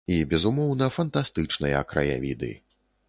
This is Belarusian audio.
І, безумоўна, фантастычныя краявіды.